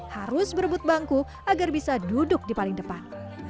harus berebut bangku agar bisa duduk di paling depan